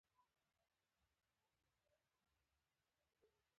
د حمد، مناجات او نعت توپیر په کرښو کې ولیکئ.